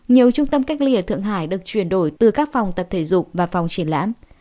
nhiều trung tâm cách ly ở thượng hải được chuyển đổi từ các phòng tập thể dục và phòng triển lãm